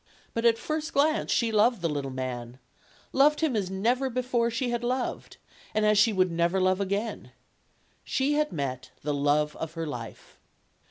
But at first glance she loved the little man; loved him as never before she had loved, and as she would never love again. She had met the love of her life.